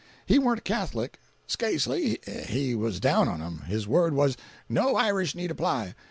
He warn't a Catholic. Scasely. He was down on 'em. His word was, 'No Irish need apply!